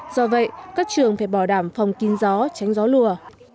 do vậy các trường phải bỏ đảm phòng kín gió tránh gió lùa